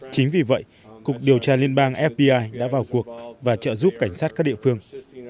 chính vì vậy cục điều tra liên bang fpi đã vào cuộc và trợ giúp cảnh sát các địa phương